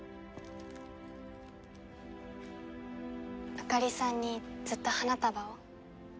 あかりさんにずっと花束を？